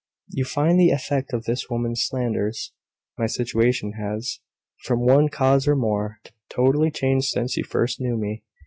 "You find the effect of this woman's slanders?" "My situation has, from one cause or more, totally changed since you first knew me.